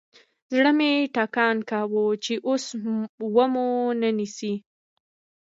زړه مې ټکان کاوه چې اوس ومو نه نيسي.